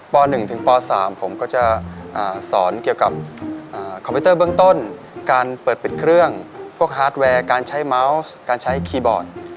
ป๑ถึงป๓ผมก็จะสอนเกี่ยวกับคอมพิวเตอร์เบื้องต้นการเปิดปิดเครื่องพวกฮาร์ดแวร์การใช้เมาส์การใช้คีย์บอร์ด